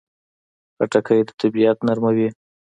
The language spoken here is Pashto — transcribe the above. خټکی د طبعیت نرموي.